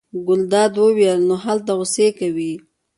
ګلداد وویل: نو هلته غوسې کوې.